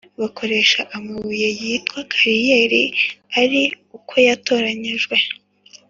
Bakoresha amabuye yitwa kariyeri ari uko yatoranyijwe